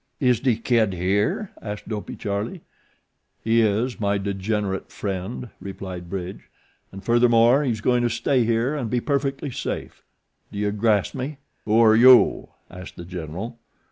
"Is de Kid here?" asked Dopey Charlie. "He is, my degenerate friend," replied Bridge; "and furthermore he's going to stay here and be perfectly safe. Do you grasp me?" "Who are you?" asked The General.